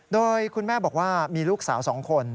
โดยคุณแม่บอกว่ามีลูกสาว๒คน